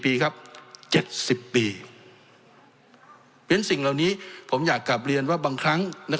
เพราะฉะนั้นสิ่งเหล่านี้ผมอยากกลับเรียนว่าบางครั้ง